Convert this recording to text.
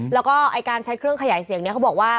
แล้วก็การใช้เครื่องขยายเสียงนี้เขาบอกว่า